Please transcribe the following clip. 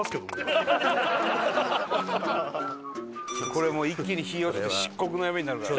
これもう一気に日落ちて漆黒の闇になるから。